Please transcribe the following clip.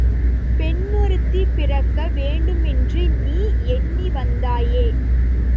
பெண்ணொருத்தி பிறக்க வேண்டுமென்று நீ எண்ணி வந்தாயே!